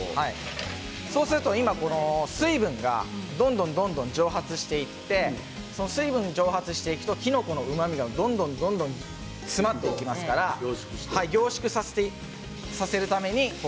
そうすると水分がどんどんどんどん蒸発していって水分が蒸発していくときのこのうまみがどんどんどんどん詰まっていきますから凝縮されていきます。